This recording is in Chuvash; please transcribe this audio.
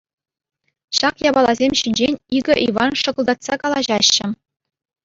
Ҫак япаласем ҫинчен икӗ Иван шӑкӑлтатса калаҫаҫҫӗ.